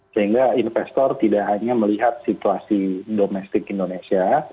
sehingga investor tidak hanya melihat situasi domestik indonesia